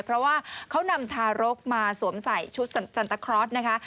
เพราะว่าเขานำทารกมาสวมใส่ชุดจันตะครอสนะคะ